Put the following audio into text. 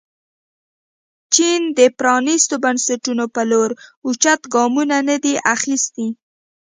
چین د پرانیستو بنسټونو په لور اوچت ګامونه نه دي اخیستي.